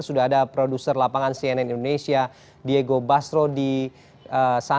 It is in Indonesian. sudah ada produser lapangan cnn indonesia diego bastro di sana